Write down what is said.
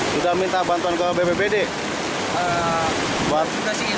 sudah minta bantuan gobek bek